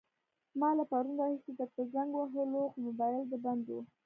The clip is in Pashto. ما له پرون راهيسې درته زنګ وهلو، خو موبايل دې بند وو.